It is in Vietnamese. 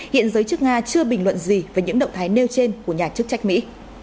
hiện giới chức nga chưa bình luận gì về những động thái nêu trên của nhà chức trách mỹ